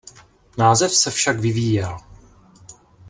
Název se však vyvíjel.